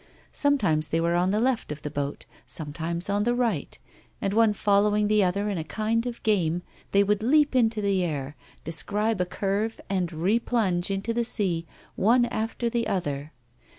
Sometimes they were on the left of the boat, sometimes on the right, and, one following the other in a kind of game, they would leap into the air, describe a curve, and replange into the sea one after the other.